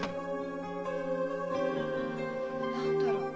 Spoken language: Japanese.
何だろう？